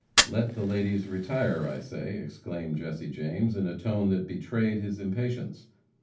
"Let the ladies retire, I say!" exclaimed Jesse James, in a tone that betrayed his impatience.